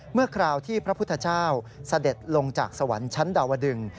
คราวที่พระพุทธเจ้าเสด็จลงจากสวรรค์ชั้นดาวดึง